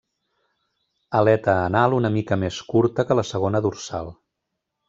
Aleta anal una mica més curta que la segona dorsal.